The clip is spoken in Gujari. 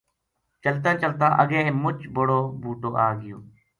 چلتا چلتا اَگے ایک مچ بڑو بوٹو آ گیو